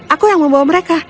aku yang membawa mereka